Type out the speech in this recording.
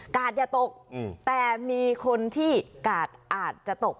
อย่าตกแต่มีคนที่กาดอาจจะตก